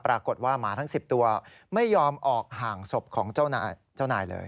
ปรากฏว่าหมาทั้ง๑๐ตัวไม่ยอมออกห่างศพของเจ้านายเลย